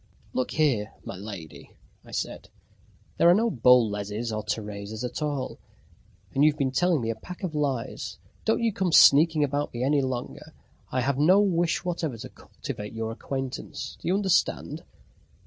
"Look here, my lady," I said, "there are no Boleses or Teresas at all, and you've been telling me a pack of lies. Don't you come sneaking about me any longer. I have no wish whatever to cultivate your acquaintance. Do you understand?"